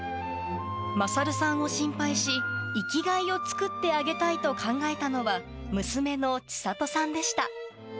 勝さんを心配し、生きがいを作ってあげたいと考えたのは、娘の千里さんでした。